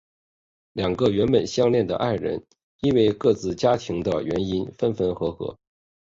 两个原本相恋的爱人因为各自家庭的原因分分合合。